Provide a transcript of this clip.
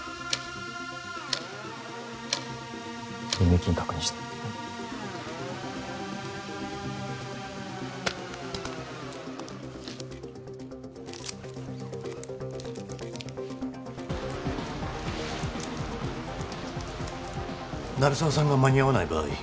入金確認してはい鳴沢さんが間に合わない場合